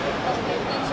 jadi kan terpaksa terpaksa